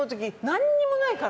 何にもないから。